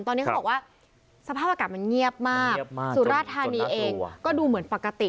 ตอนนี้เขาบอกว่าสภาพอากาศมันเงียบมากสุราธานีเองก็ดูเหมือนปกติ